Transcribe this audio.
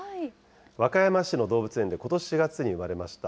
和歌山市の動物園でことし４月に生まれました。